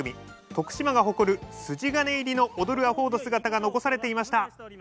徳島が誇る筋金入りの踊る阿呆の姿が残されていました。